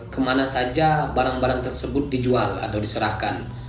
kemana saja barang barang tersebut dijual atau diserahkan